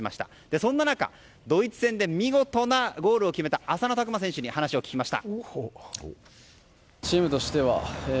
そんな中ドイツ戦で見事なゴールを決めた浅野拓磨選手に話を聞きました。